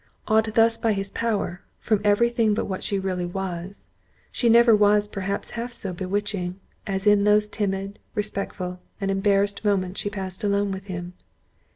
Awed thus by his power, from every thing but what she really was, she never was perhaps half so bewitching, as in those timid, respectful, and embarrassed moments she passed alone with him.